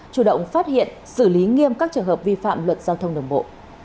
chủ động phát hiện xử lý nghiêm các trường hợp vi phạm luật giao thông đồng bộ